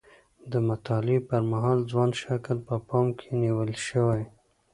د مطالعې پر مهال ځوان شکل په پام کې نیول شوی.